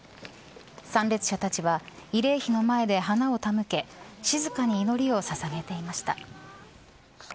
参列者たちは慰霊碑の前で花を手向け静かに祈りをささげていました。